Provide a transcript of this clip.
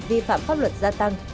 vi phạm pháp luật gia tăng